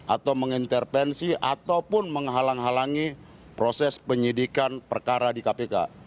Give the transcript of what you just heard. atau mengintervensi ataupun menghalangi proses penyidikan perkara di kpk